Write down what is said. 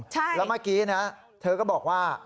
แล้วเมื่อกี้นะเธอก็บอกว่า